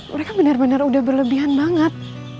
mereka bener bener udah berlebihan banget